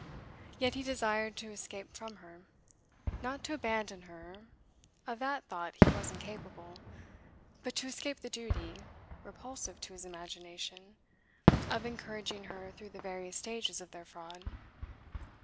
Yet he desired to escape from her. Not to abandon her; of that thought he was incapable; but to escape the duty repulsive to his imagination of encouraging her through the various stages of their fraud.